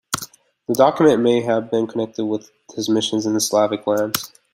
The document may have been connected with his missions in the Slavic lands.